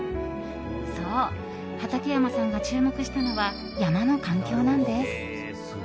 そう、畠山さんが注目したのは山の環境なんです。